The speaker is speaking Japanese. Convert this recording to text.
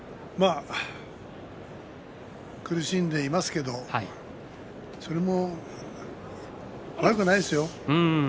苦しんでいますけれどもそれも悪くないですよ。